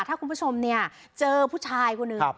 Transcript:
ถ้าคุณผู้ชมเนี่ยเจอผู้ชายคนหนึ่ง